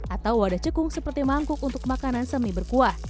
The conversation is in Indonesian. atau wadah cekung seperti mangkuk untuk makanan semi berkuah